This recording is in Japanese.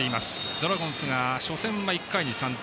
ドラゴンズが初戦は１回に３点。